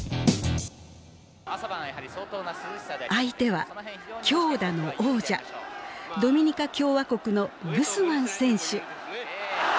相手は強打の王者ドミニカ共和国のグスマン選手。